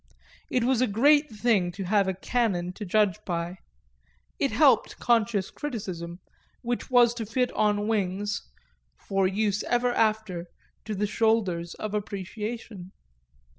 It was a great thing to have a canon to judge by it helped conscious criticism, which was to fit on wings (for use ever after) to the shoulders of appreciation.